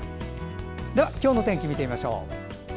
では今日の天気を見てみましょう。